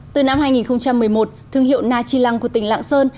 từ năm hai nghìn một mươi một thương hiệu nachilang của tỉnh lạng sơn